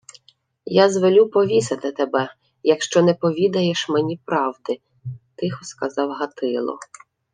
— Я звелю повісити тебе, якщо не повідаєш мені правди, — тихо сказав Гатило.